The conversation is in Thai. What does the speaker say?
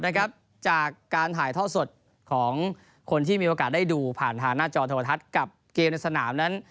จากการถ่ายท่อสดของคนที่มีโอกาสได้ดูผ่านทางหน้าจอโทรทัศน์กับเกมในสนามนั้น